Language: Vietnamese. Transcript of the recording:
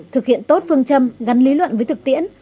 thực hiện tốt phương châm gắn lý luận với thực tiễn